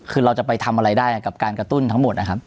คือเราจะไปทำอะไรได้กับการกระตุ้นทั้งหมดนะครับ